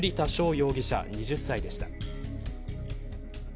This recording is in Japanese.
容疑者、２０歳でした。